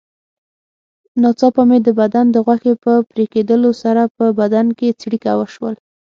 ناڅاپه مې د بدن د غوښې په پرېکېدلو سره په بدن کې څړیکه وشول.